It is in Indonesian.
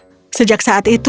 dan berjalan melewatinya